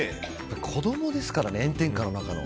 子供ですからね、炎天下の中の。